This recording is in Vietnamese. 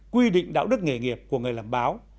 quy định đạo đức nghề nghiệp của người làm báo